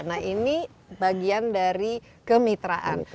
nah ini bagian dari kemitraan